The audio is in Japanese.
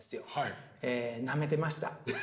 えなめてました。